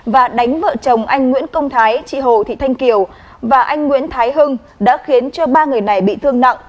và đánh vợ chồng anh nguyễn công thái chị hồ thị thanh kiều và anh nguyễn thái hưng đã khiến cho ba người này bị thương nặng